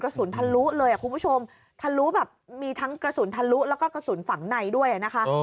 กระสุนทะลุเลยอ่ะคุณผู้ชมทะลุแบบมีทั้งกระสุนทะลุแล้วก็กระสุนฝังในด้วยนะคะ